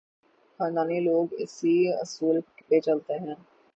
خاندانی لوگ اسی اصول پہ چلتے ہیں۔